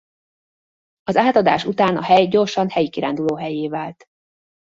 Az átadás után a hely gyorsan helyi kirándulóhellyé vált.